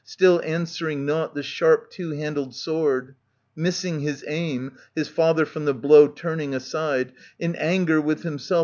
Still answering nought, the sharp two handled sword. Missing his aim, (his father from the blow Turning aside,) in anger with himself.